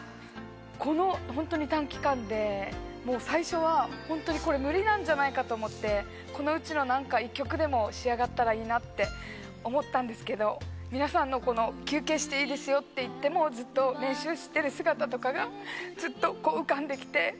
この本当に短期間でもう最初は本当にこれ無理なんじゃないかと思ってこのうちのなんか１曲でも仕上がったらいいなって思ったんですけど皆さんの「休憩していいですよ」って言ってもずっと練習してる姿とかがずっと浮かんできて。